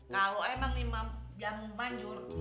kalo emang nih jamu manjur